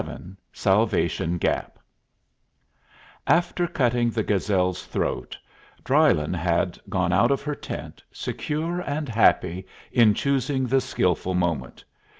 ] SALVATION GAP After cutting the Gazelle's throat, Drylyn had gone out of her tent, secure and happy in choosing the skilful moment.